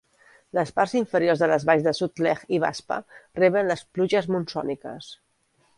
Les parts inferiors de les valls de Sutlej i Baspa reben les pluges monsòniques.